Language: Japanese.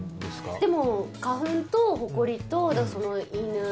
でも花粉とほこりと、犬？